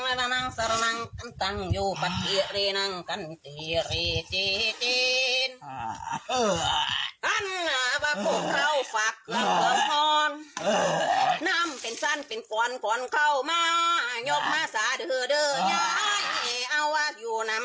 เอ้าวาดอยู่นำทั้งเดิม